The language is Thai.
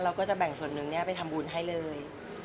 เราก็จะแบ่งส่วนหนึ่งเนี่ยไปทำบุญให้เลย